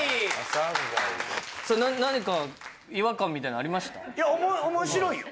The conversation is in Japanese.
さあ何か違和感みたいなのありました？